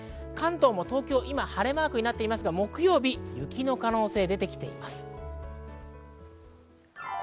関東も東京は今晴れマークになっていますが、木曜日は雪の可能性が出てきています。